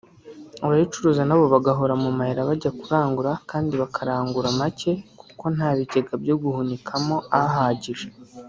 abayacuruza nabo bagahora mu mayira bajya kurangura kandi bakarangura make kuko nta bigega byo guhunikamo ahagije